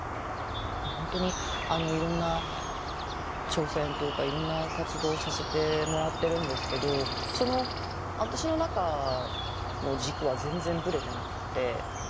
本当にいろんな挑戦というかいろんな活動をさせてもらってるんですけど私の中の軸は全然ブレてなくてやはり軸はモデルなんですよ。